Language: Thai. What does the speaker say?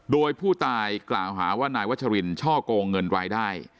โดยผู้ตายกล่าวหาว่านายวัชรินช่อกงเงินรายได้